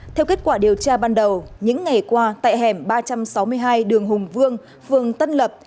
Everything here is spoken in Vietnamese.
theo kết quả điều tra ban đầu những ngày qua tại hẻm ba trăm sáu mươi hai đường hùng vương phường tân lập